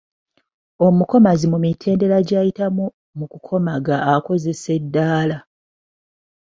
Omukomazi mu mitendera gy’ayitamu mu kukomaga akozesa eddaala.